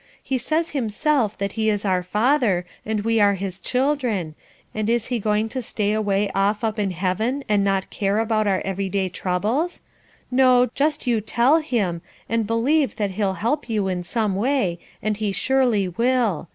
He says himself that he is our Father, and we are his children, and is he going to stay away off up in heaven and not care about our everyday troubles. No, just you tell him, and believe that he'll help you in some way, and he surely will.